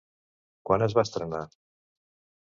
Quan es va estrenar?